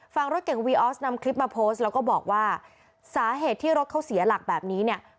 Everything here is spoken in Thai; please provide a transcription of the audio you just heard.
รถเก่งวีออสนำคลิปมาโพสต์แล้วก็บอกว่าสาเหตุที่รถเขาเสียหลักแบบนี้เนี่ย